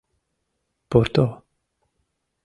Пурто!